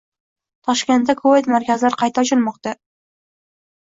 Toshkentda kovid-markazlar qayta ochilmoqda